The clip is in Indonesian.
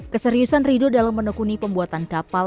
keseriusan rido dalam menekuni pembuatan kapal